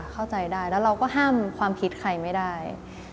เข้าใจได้แล้วเราก็ห้ามความคิดใครไม่ได้